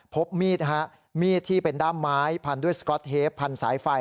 พบมีดฮะมีดที่เป็นด้ามไม้พันด้วยสก๊อตเทปพันสายไฟ